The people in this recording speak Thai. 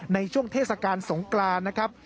ในช่วงเทศกาลสงกรานนะครับ